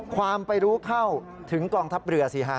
ความไปรู้เข้าถึงกองทัพเรือสิฮะ